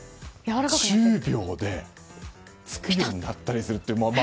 １０秒で、つけるようになったりするという。